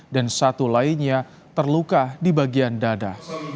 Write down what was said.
dan satu lainnya terluka di bagian dada